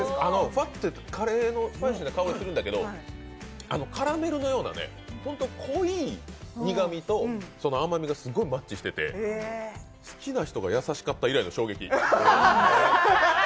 ふぁっとカレーのスパイシーな香りするんだけどカラメルのような、ホント濃い苦みと甘みがすごいマッチしてて、好きな人が優しかった以来の衝撃。